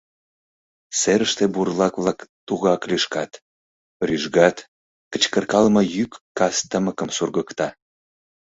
Серыште бурлак-влак тугак лӱшкат, рӱжгат, кычкыркалыме йӱк кас тымыкым сургыкта: